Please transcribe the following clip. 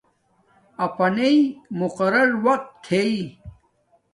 اپانݵ مقررر وقت تھݵ